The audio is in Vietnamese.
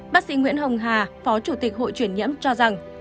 bác sĩ nguyễn hồng hà phó chủ tịch hội chuyển nhiễm cho rằng